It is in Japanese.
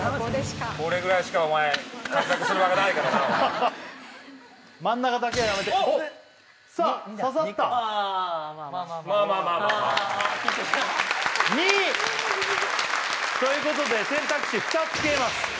これぐらいしかお前活躍する場がないからな真ん中だけはやめてさあ刺さったまあまあまあまあまあ２！ということで選択肢２つ消えます